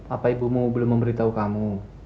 apa ibumu belum memberitahu kamu